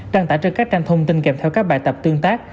trang tả trên các tranh thông tin kèm theo các bài tập tương tác